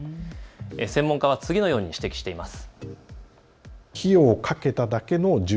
専門家は次のように指摘しています。